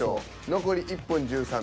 残り１分１３秒。